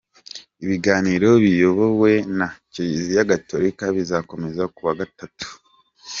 Ibiganiro biyobowe na Kiliziya Gatolika, bizakomeza ku wa Gatatu.